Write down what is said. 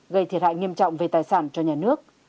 gây thiệt hại nghiêm trọng về tài sản cho nhà nước